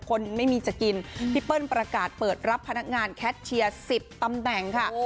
คนไม่มีจะกินพี่เปิ้ลประกาศเปิดรับพนักงานแคทเชียร์๑๐ตำแหน่งค่ะ